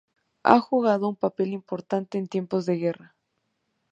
Ha jugado un papel importante en tiempos de guerra.